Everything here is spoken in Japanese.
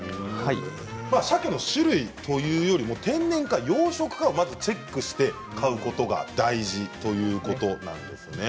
サケの種類というよりかは天然か養殖かチェックして買うことが大事ということです。